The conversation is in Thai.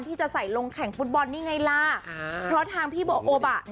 ที่จะใส่ลงแข่งฟุตบอลนี่ไงล่ะเพราะทางพี่โบโอบะ